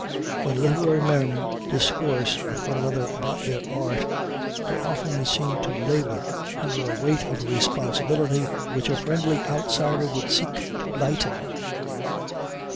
When literary men discourse with one another about their art, they often seem to labor under a weight of responsibility which a friendly outsider would seek to lighten.